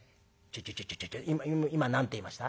「ちょちょ今何て言いました？